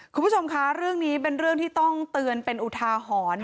คุณผู้ชมคะเรื่องนี้เป็นเรื่องที่ต้องเตือนเป็นอุทาหรณ์